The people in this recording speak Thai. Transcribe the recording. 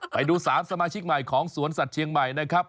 ไปดู๓สมาชิกใหม่ของสวนสัตว์เชียงใหม่นะครับ